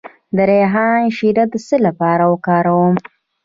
د ریحان شیره د څه لپاره وکاروم؟